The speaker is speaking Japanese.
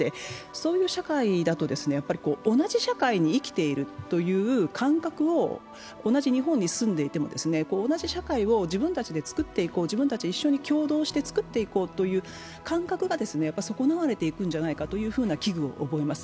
そういう社会だと同じ社会に生きているという感覚を同じ日本に住んでいても同じ社会を自分たちで作っていこう、一緒に協働して作っていこうという気分が損なわれていくのではないかという危惧を覚えます。